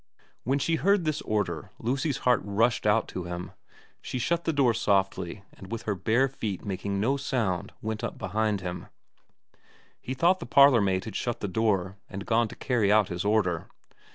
When she heard this order Lucy's heart rushed out to him. She shut the door softly and with her bare feet making no sound went up behind him, He thought the parlourmaid had shut the door, and gone to carry out his order.